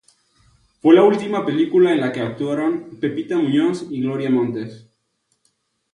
Fue la última película en la que actuaron Pepita Muñoz y Gloria Montes.